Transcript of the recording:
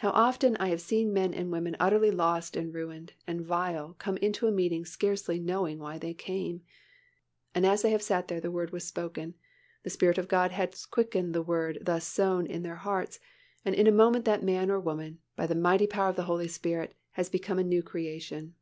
How often I have seen men and women utterly lost and ruined and vile come into a meeting scarcely knowing why they came, and as they have sat there the Word was spoken, the Spirit of God has quickened the Word thus sown in their hearts and in a moment that man or woman, by the mighty power of the Holy Spirit, has become a new creation.